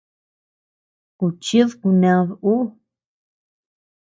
Kuchid kuned ú.